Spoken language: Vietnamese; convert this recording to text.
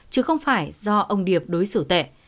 chứ không phải do ông điệp đối xử tệ